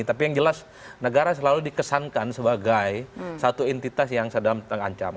tapi yang jelas negara selalu dikesankan sebagai satu entitas yang sedang terancam